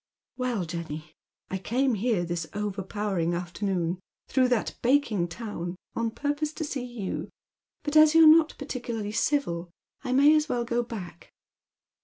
" Well, Jenny, I came here this overpowering afternoon, through that baking town, on purpose to see you, but as you're not particularly civil I may as well go back."